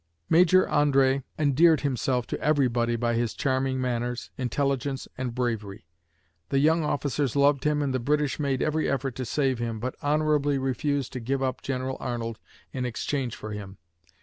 Major André endeared himself to everybody by his charming manners, intelligence and bravery. The young officers loved him and the British made every effort to save him, but honorably refused to give up General Arnold in exchange for him.